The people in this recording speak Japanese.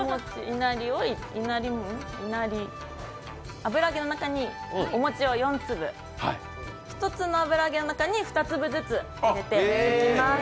油揚げの中にお餅を４粒、１つの油揚げの中に２つずつ入れてます。